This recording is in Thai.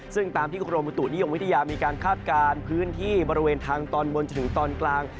ซึ่งตามที่กรมบุตุนิยมวิทยามีการคาดการณ์พื้นที่บริเวณทางตอนบนจนถึงตอนกลาง